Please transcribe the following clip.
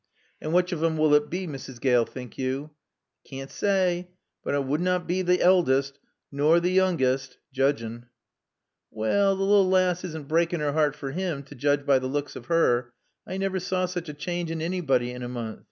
"And which of 'em will it bae, Mrs. Gaale, think you?" "I caann't saay. But it woonna bae t' eldest. Nor t' yoongest joodgin'." "Well the lil' laass isn' breaaking 'er 'eart fer him, t' joodge by the looks of 'er. I naver saw sech a chaange in anybody in a moonth."